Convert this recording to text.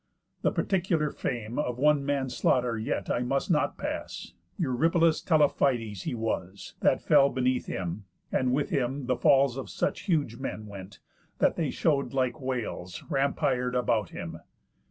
The particular fame Of one man's slaughter yet I must not pass; Eurypylus Telephides he was, That fell beneath him, and with him the falls Of such huge men went, that they show'd like whales Rampir'd about him.